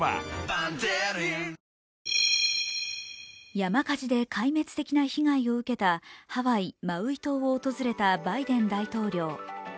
山火事で壊滅的な被害を受けたハワイ・マウイ島を訪れたバイデン大統領。